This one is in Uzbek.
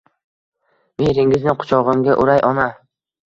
Mehringizni quchogimga uray ona